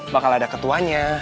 bakal ada ketuanya